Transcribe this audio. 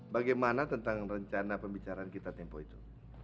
bagaimana tentang rencana pembicaraan kita tempo itu